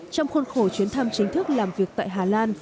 trong khuôn khổ chuyến thăm chính thức làm việc tại hà lan